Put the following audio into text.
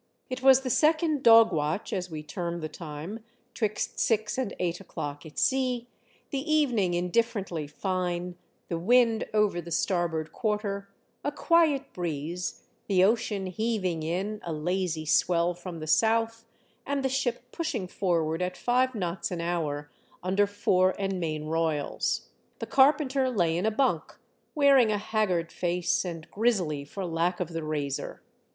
It was the second dog watch, as we term the time, 'twixt six and eight o'clock, at sea, the evening in differently fine, the wind over the starboard quarter, a quiet breeze, the ocean heaving in a lazy swell from the south, and the ship pushing forward at live knots an hour under fore and main royals. The carpenter lay in a bunk, wearing a haggard face, and grizzly for lack of the razor.